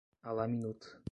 A la minuta